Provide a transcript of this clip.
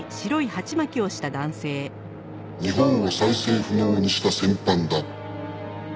日本を再生不能にした戦犯だ。